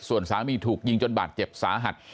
ส่วนสามีถูกยิงจนบาดเจ็บสาหัส